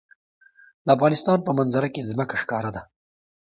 د افغانستان په منظره کې ځمکه ښکاره ده.